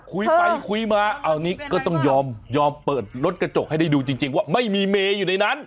คุยไปคุยมาเอานี่ก็ต้องยอมยอมเปิดรถกระจกให้ได้ดูจริงว่าไม่มีเมย์อยู่ในนั้น